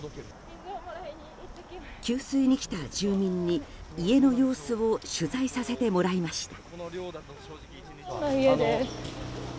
給水に来た住民に家の様子を取材させてもらいました。